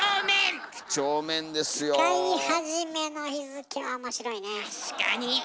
確かに。